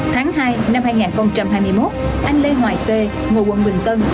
tháng hai năm hai nghìn hai mươi một anh lê hoài tê ngôi quận bình tân